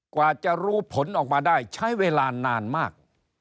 กว่าจะรู้ผลออกมาได้ใช้เวลานานมาก